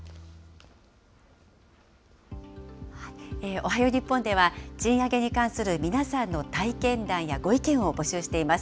おはよう日本では、賃上げに関する皆さんの体験談やご意見を募集しています。